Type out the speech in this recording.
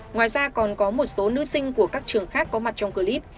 ngoài ra còn có một số nữ sinh của các trường khác có mặt trong clip